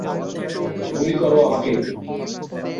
গুলি করো আমাকে!